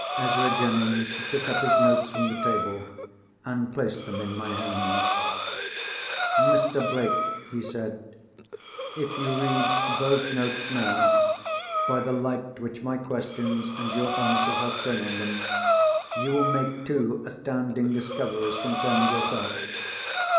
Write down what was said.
Ezra Jennings took up his notes from the table, and placed them in my hands. "Mr. Blake," he said, "if you read those notes now, by the light which my questions and your answers have thrown on them, you will make two astounding discoveries concerning yourself.